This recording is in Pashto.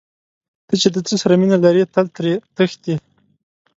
ته چې د څه سره مینه لرې تل ترې تښتې.